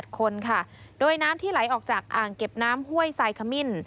คนค่ะโดยน้ำที่ไหลออกจากอ่างเก็บน้ำห้วยสายขมิ้น